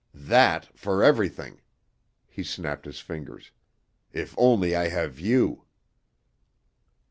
That for everything!" He snapped his fingers. "If only I have you."